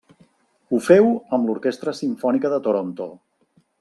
Ho féu amb l'Orquestra Simfònica de Toronto.